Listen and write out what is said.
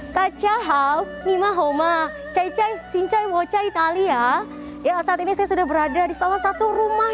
kaca hau nima homa cc sincai bocah italia ya saat ini saya sudah berada di salah satu rumah